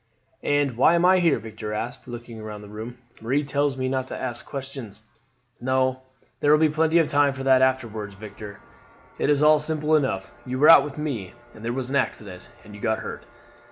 "And why am I here?" Victor asked, looking round the room. "Marie tells me not to ask questions." "No. There will be plenty of time for that afterwards, Victor. It is all simple enough. You were out with me, and there was an accident, and you got hurt.